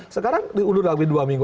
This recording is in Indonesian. sekarang diundur lagi dua minggu